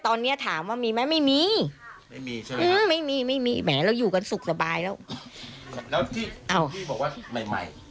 แล้วที่บอกว่าใหม่คือยังไง